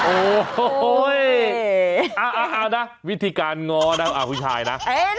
โอ้โหเอานะวิธีการง้อนะผู้ชายนะ